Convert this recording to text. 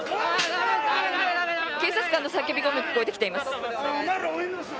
警察官の叫び声も聞こえてきています。